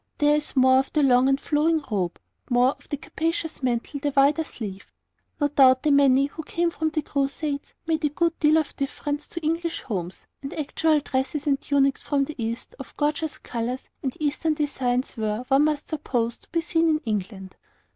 There is more of the long and flowing robe, more of the capacious mantle, the wider sleeve. No doubt the many who came from the Crusades made a good deal of difference to English homes, and actual dresses and tunics from the East, of gorgeous colours and Eastern designs, were, one must suppose, to be seen in England.